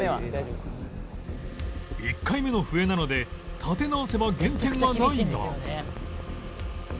１回目の笛なので立て直せば減点はないが